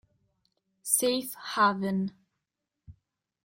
Safe Haven